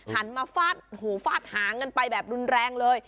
หันมาฟาดหูฟาดหางกันไปแบบรุนแรงเลย